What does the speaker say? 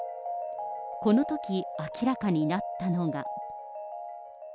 このとき明らかになったのが。